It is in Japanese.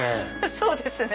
そうですね。